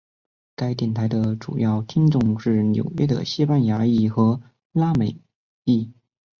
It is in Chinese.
该电台的主要听众是纽约的西班牙裔和拉美裔。